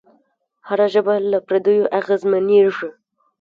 هره ژبه له پردیو اغېزمنېږي.